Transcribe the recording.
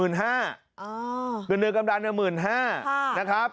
เงินเดือนกำนัน๑๕๐๐๐นะครับ